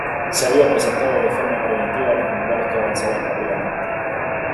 Se había presentado de forma preventiva a los mongoles que avanzaban rápidamente.